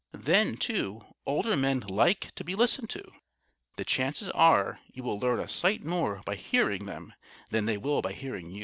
Then, too, older men like to be listened to. The chances are you will learn a sight more by hearing them than they will by hearing you.